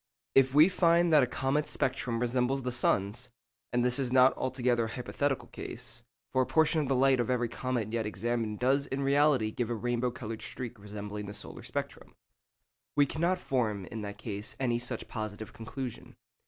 If we find that a comet's spectrum resembles the sun's—and this is not altogether a hypothetical case, for a portion of the light of every comet yet examined does in reality give a rainbow coloured streak resembling the solar spectrum—we cannot form, in that case, any such positive conclusion.